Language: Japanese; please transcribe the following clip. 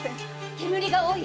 煙が多い。